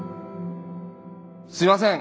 すいません